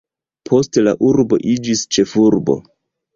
Poste la urbo iĝis ĉefurbo.